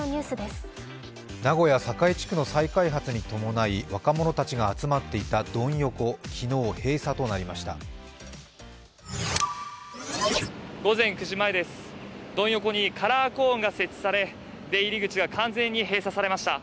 名古屋・栄地区の再開発に伴い若者たちが集まっていたドン横、昨日、閉鎖となりました。